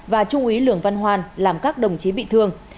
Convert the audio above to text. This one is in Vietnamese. và trung úy lường văn hoan làm các đồng chí bị thương